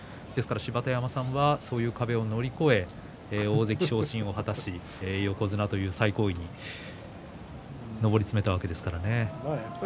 芝田山さんはそういう壁を乗り越え大関昇進を果たし横綱という最高位に上り詰めたわけですからね。